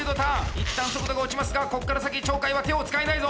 一旦速度が落ちますがここから先鳥海は手を使えないぞ。